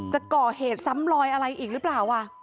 จะก่อเหตุซ้ำลอยอะไรอีกหรือเปล่า